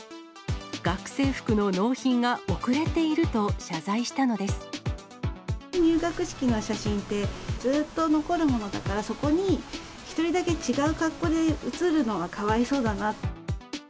学生服の納品が遅れていると入学式の写真って、ずっと残るものだから、そこに１人だけ違う格好で写るのはかわいそうだな。